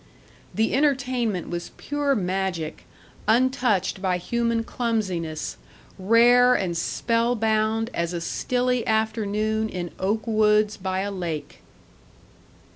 The entertainment was pure magic, untouched by human clumsiness, rare and spellbound as a stilly afternoon in oak woods by a lake.